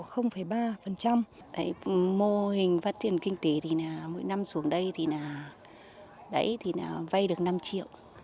mô hình phát triển kinh tế thì mỗi năm xuống đây thì vay được năm triệu